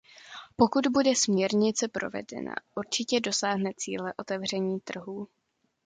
Pokud bude směrnice provedena, určitě dosáhne cíle otevření trhů.